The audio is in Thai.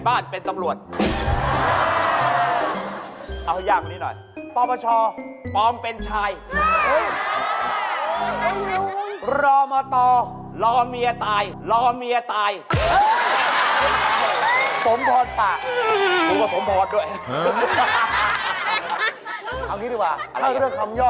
อ้าวเฮ้ยคนแปลกหน้าข้อข้อโหเสาข้อโห